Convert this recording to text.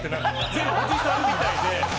全部おじさんみたいで。